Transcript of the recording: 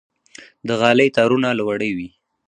د غالۍ تارونه له وړۍ وي.